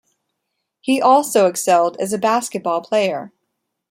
He also excelled as a basketball player.